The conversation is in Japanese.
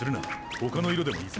ほかの色でもいいぞ。